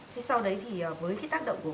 thế sau đấy thì với cái tác động của